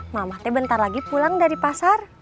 mama teh bentar lagi pulang dari pasar